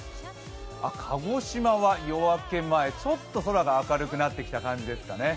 鹿児島は夜明け前、ちょっと空が明るくなってきた感じですね。